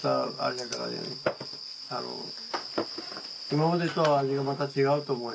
今までとは味がまた違うと思うよ。